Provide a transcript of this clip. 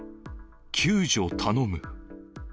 救助頼む。